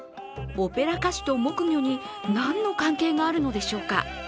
オペラ歌手と木魚に何の関係があるのでしょうか。